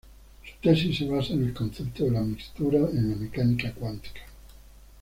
Su tesis se basó en el concepto de la mixtura en la mecánica cuántica.